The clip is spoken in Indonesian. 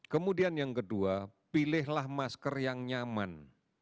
kemudian yang kedua pilihlah masker yang nyaman